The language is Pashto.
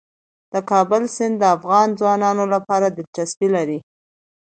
د کابل سیند د افغان ځوانانو لپاره دلچسپي لري.